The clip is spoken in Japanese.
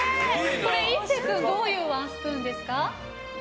これは壱晟君どういうワンスプーンですか？